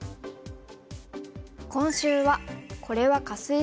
今週は「これはカス石？